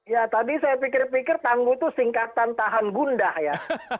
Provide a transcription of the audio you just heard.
ya tadi saya pikir pikir tangguh itu singkatan tahan bunda ya